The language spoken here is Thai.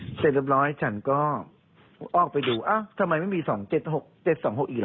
เสร็จเรียบร้อยฉันก็ออกไปดูอ้าวทำไมไม่มี๒๗๖๗๒๖อีกล่ะ